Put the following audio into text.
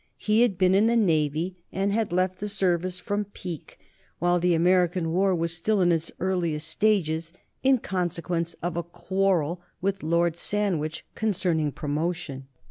He had been in the navy, and had left the service from pique, while the American war was still in its earliest stages, in consequence of a quarrel with Lord Sandwich concerning promotion.